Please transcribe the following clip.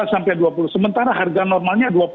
sampai dua puluh sementara harga normalnya